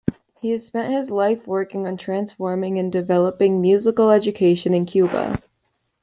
He has spent his life working on transforming and developing musical education in Cuba.